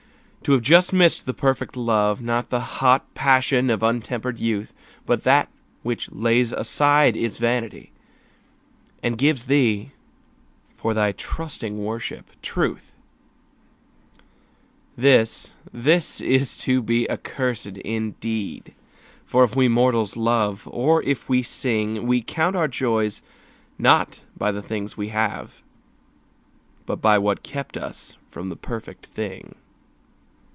To have just missed the perfect love, Not the hot passion of untempered youth, But that which lays aside its vanity And gives thee, for thy trusting worship, truth— This, this it is to be accursed indeed; For if we mortals love, or if we sing, We count our joys not by the things we have, But by what kept us from the perfect thing.